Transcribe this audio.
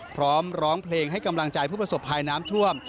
พร้อมร้องเพลงให้กำลังใจผู้ประสบภัยน้ำท่วม